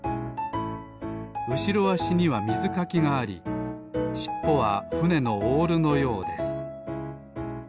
うしろあしにはみずかきがありしっぽはふねのオールのようです。